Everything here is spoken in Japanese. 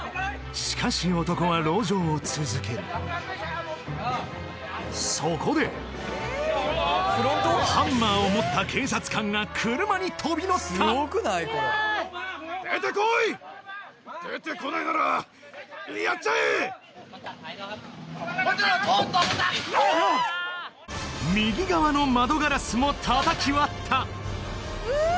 しかし男は籠城を続けるそこでハンマーを持った警察官が車に飛び乗った右側の窓ガラスも叩き割ったうわ！